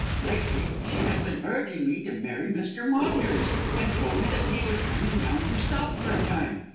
Lately she has been urging me to marry Mr. Maunders, and told me that he was coming down to stop for a time.